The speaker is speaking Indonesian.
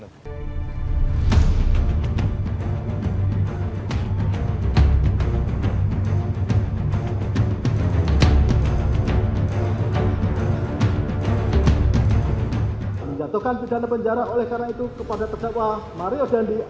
yang menjatuhkan penjara oleh karena itu kepada terdakwa mario dendi